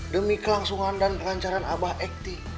demi kelangsungan dan kelancaran abah ekti